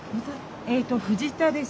えと藤田です。